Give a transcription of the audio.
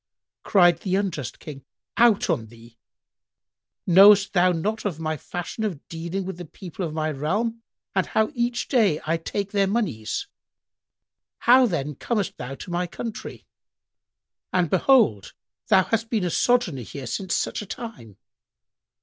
Cried the unjust King, "Out on thee! Knowest thou not my fashion of dealing with the people of my realm and how each day I take their monies? How then comest thou to my country? And behold, thou hast been a sojourner here since such a time!"